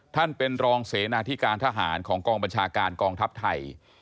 ท่านเป็นรองเสนาธิการทหารของกองบัญชาการกองทัพไทย